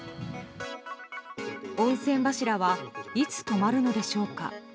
温泉柱はいつ止まるのでしょうか。